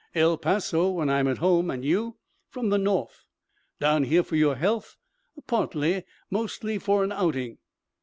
"El Paso, when I'm at home. And you?" "From the north." "Down here for your health?" "Partly. Mostly for an outing."